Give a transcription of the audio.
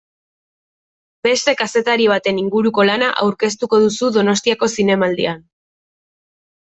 Beste kazetari baten inguruko lana aurkeztuko duzu Donostiako Zinemaldian.